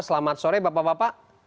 selamat sore bapak bapak